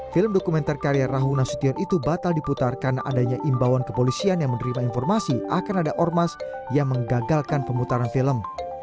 film dokumenter karya rahu nasution itu batal diputar karena adanya imbauan kepolisian yang menerima informasi akan ada ormas yang menggagalkan pemutaran film